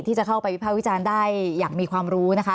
ที่จะเข้าไปวิภาควิจารณ์ได้อย่างมีความรู้นะคะ